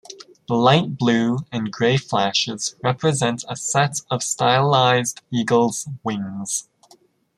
The light blue and grey flashes represent a set of stylised eagle's wings.